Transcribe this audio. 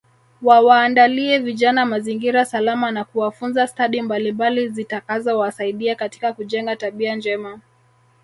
Wawaandalie vijana mazingira salama na kuwafunza stadi mbalimbali zitakazowasaidia katika kujenga tabia njema